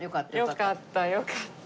よかったよかった。